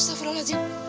teh teh teh teh teh teh